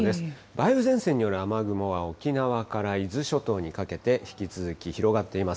梅雨前線による雨雲は沖縄から伊豆諸島にかけて、引き続き広がっています。